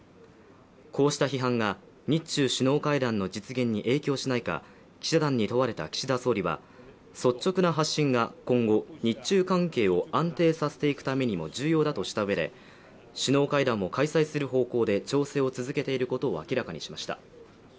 こうした批判が、日中首脳会談の実現に影響しないか、記者団に問われた岸田総理は率直な発信が今後、日中関係を安定させていくためにも重要だとしたうえで、首脳会談を開催する方向で調整を続けていることを明らかにしました。